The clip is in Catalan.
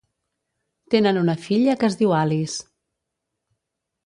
Tenen una filla que es diu Alice.